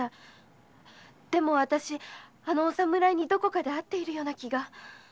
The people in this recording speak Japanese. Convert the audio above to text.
でもわたしあのお侍にどこかで会っているような気が。